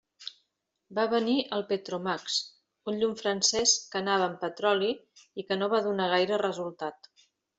Va venir el Petromax, un llum francès que anava amb petroli i que no va donar gaire resultat.